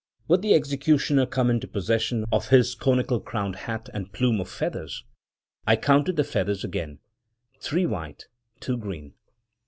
Would the executioner come into possession of his conical crowned hat and plume of feathers? I counted the feathers again — three white, two green.